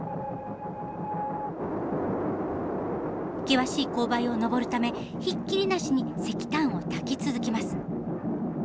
険しい勾配を登るためひっきりなしに石炭をたき続けます。